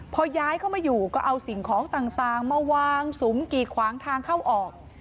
พอย้ายเข้ามาอยู่ก็เอาสิ่งของต่างมาวางสุมกีดขวางทางเข้าออก